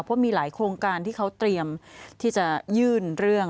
เพราะมีหลายโครงการที่เขาเตรียมที่จะยื่นเรื่อง